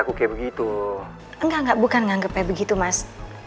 gak bukan menganggap kayak begitu mas